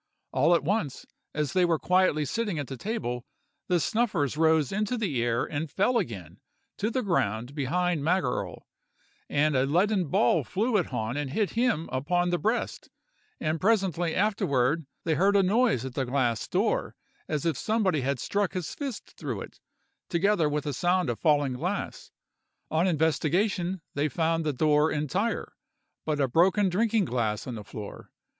All at once, as they were quietly sitting at the table, the snuffers rose into the air and fell again to the ground behind Magerle, and a leaden ball flew at Hahn and hit him upon the breast, and presently afterward they heard a noise at the glass door, as if somebody had struck his fist through it, together with a sound of falling glass. On investigation they found the door entire, but a broken drinking glass on the floor.